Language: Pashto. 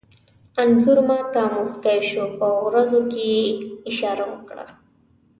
انځور ما ته موسکی شو، په وروځو کې یې اشاره وکړه.